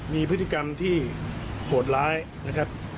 มีพฤติกรรมที่โหดร้ายนะครับ